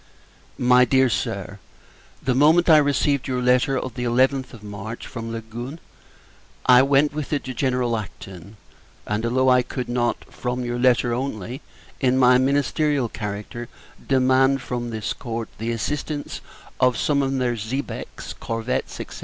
MY DEAR SIR, The moment I received your letter of the 11th of March from Leghorn, I went with it to General Acton: and, although I could not, from your letter only, in my Ministerial character, demand from this Court the assistance of some of their xebecs, corvettes, &c.